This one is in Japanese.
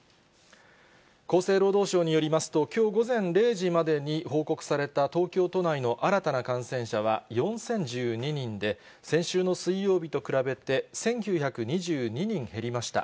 厚生労働省によりますと、きょう午前０時までに報告された東京都内の新たな感染者は４０１２人で、先週の水曜日と比べて１９２２人減りました。